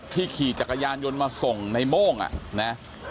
ขี่จักรยานยนต์มาส่งในโม่งอ่ะนะ